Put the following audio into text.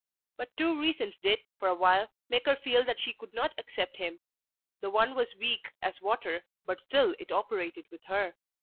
But two reasons did for a while make her feel that she could not accept him. The one was weak as water, but still it operated with her.